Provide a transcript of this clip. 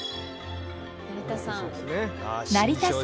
成田山。